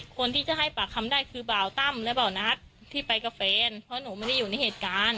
คนที่จะให้ปากคำได้คือบ่าวตั้มและเบานัทที่ไปกับแฟนเพราะหนูไม่ได้อยู่ในเหตุการณ์